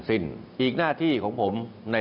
วันนี้นั้นผมจะมาพูดคุยกับทุกท่าน